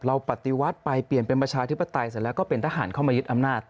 ปฏิวัติไปเปลี่ยนเป็นประชาธิปไตยเสร็จแล้วก็เป็นทหารเข้ามายึดอำนาจ